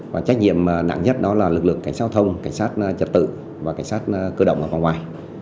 và trách nhiệm nặng nhất đó là lực lượng cảnh sát thông cảnh sát trở tự và cảnh sát cơ động vòng ngoài